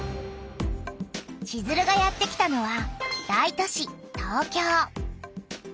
チズルがやってきたのは大都市東京。